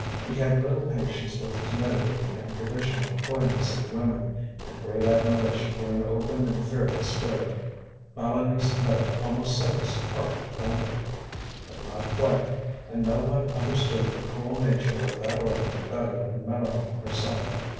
He had little patience with timidity and traditional coyness in women, and great admiration for an open and fearless spirit. Mélanie's note almost set his heart thumping. But not quite; and no one understood the cool nature of that organ better than Mélanie herself.